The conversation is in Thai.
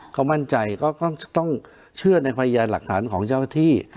เขามั่นใจก็ต้องเชื่อในพยานหลักฐานของเจ้าหน้าที่